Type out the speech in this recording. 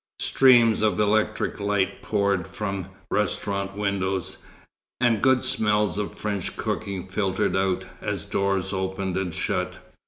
Streams of electric light poured from restaurant windows, and good smells of French cooking filtered out, as doors opened and shut.